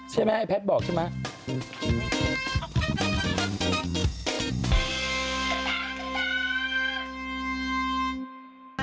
ใช่ไหมให้แพทย์บอกใช่ไหม